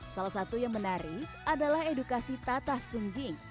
salah satu yang menarik adalah edukasi tatah sungging